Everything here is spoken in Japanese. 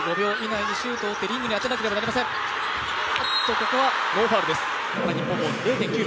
ここはノーファウルです、日本ボール。